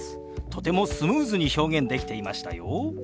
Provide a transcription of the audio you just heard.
とてもスムーズに表現できていましたよ。